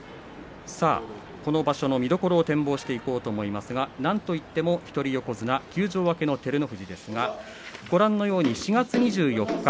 この場所の見どころを展望していこうと思いますがなんといっても一人横綱休場明けの照ノ富士ですがご覧のように４月２４日